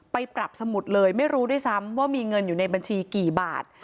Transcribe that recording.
ไปปรับสมุดเลยไม่รู้ด้วยซ้ำว่ามีเงินอยู่ในบัญชีกี่บาท